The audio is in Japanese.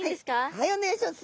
はいお願いします。